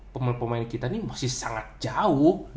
pemain pemain kita ini masih sangat jauh